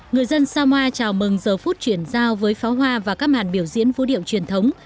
người dân sama chào mừng giờ phút chuyển giao với pháo hoa và các màn biểu diễn vũ điệu truyền thống